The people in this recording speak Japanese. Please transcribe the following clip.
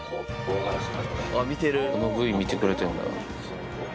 あのＶ、見てくれてんだ。